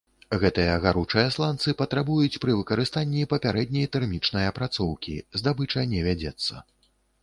Гэтыя гаручыя сланцы патрабуюць пры выкарыстанні папярэдняй тэрмічнай апрацоўкі, здабыча не вядзецца.